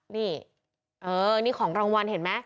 นี่นี่ของรางวัลเห็นไหม